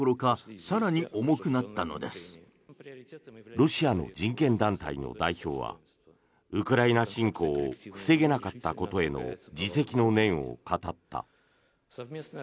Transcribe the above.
ロシアの人権団体の代表はウクライナ侵攻を防げなかったことへの自責の念を語った。